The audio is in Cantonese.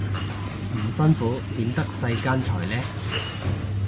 唔辛苦點得世間財呢